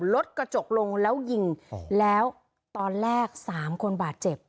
รถกระจกลงแล้วยิงแล้วตอนแรก๓คนบาดเจ็บ